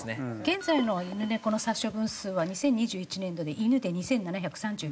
現在の犬・猫の殺処分数は２０２１年度で犬で２７３９匹。